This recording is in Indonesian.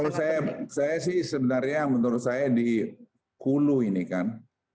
kalau saya sih sebenarnya menurut saya di hulu ini kan